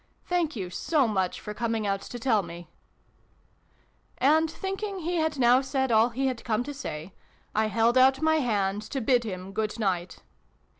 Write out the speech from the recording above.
"Thank you so much for coming out to tell me !" And, think ing he had now said all he had come to say, I held out my hand to bid him good night.